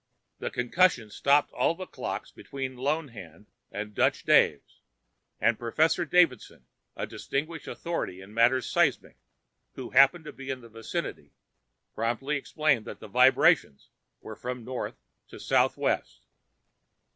The concussion stopped all the clocks between Lone Hand and Dutch Dan's, and Professor Davidson, a distinguished authority in matters seismic, who happened to be in the vicinity, promptly explained that the vibrations were from north to southwest.